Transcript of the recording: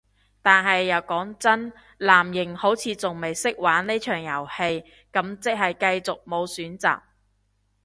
但係又講真，藍營好似仲未識玩呢場遊戲，咁即係繼續無選擇